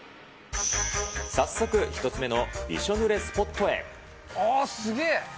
早速、１つ目のびしょぬれスあー、すげー。